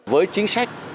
với chính sách